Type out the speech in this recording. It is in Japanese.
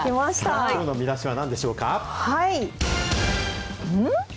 きょうの見出しはなんでしょはい、うん？